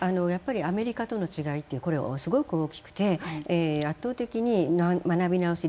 アメリカとの違いってこれすごく大きくて圧倒的に学びなおし